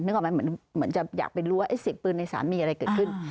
ออกไหมเหมือนจะอยากไปรู้ว่าเสียงปืนในสามีอะไรเกิดขึ้น